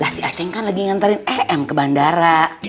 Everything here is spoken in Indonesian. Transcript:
lah si acehng kan lagi nganterin e m ke bandara